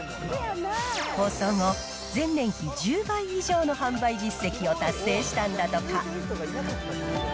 放送後、前年比１０倍以上の販売実績を達成したんだとか。